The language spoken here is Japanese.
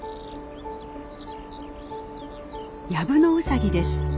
ヤブノウサギです。